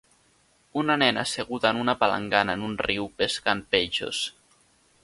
Una nena asseguda en una palangana en un riu pescant peixos.